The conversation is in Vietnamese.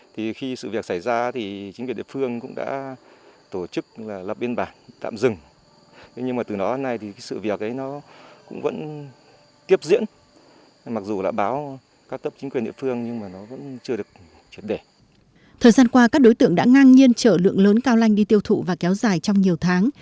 thời gian qua các đối tượng đã ngang nhiên trở lượng lớn cao lành đi tiêu thụ và kéo dài trong nhiều tháng